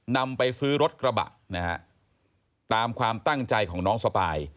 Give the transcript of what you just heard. นำไปซื้อรถกระบะนะฮะตามความตั้งใจของน้องสปาย